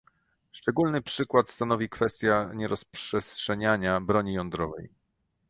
Szczególny przykład stanowi kwestia nierozprzestrzeniania broni jądrowej